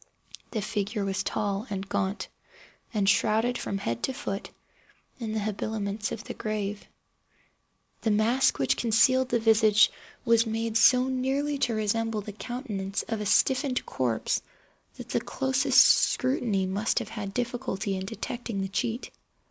The figure was tall and gaunt, and shrouded from head to foot in the habiliments of the grave. The mask which concealed the visage was made so nearly to resemble the countenance of a stiffened corpse that the closest scrutiny must have had difficulty in detecting the cheat.